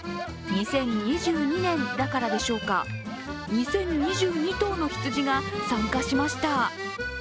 ２０２２年だからでしょうか、２０２２頭の羊が参加しました。